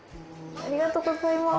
ありがとうございます。